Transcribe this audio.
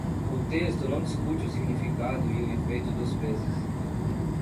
O texto não discute o significado e o efeito dos pesos.